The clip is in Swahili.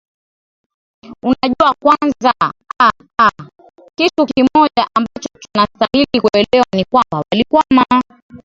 unajua kwanzaa aa kitu kimoja ambacho tunastahili kuelewa ni kwambaa walikwama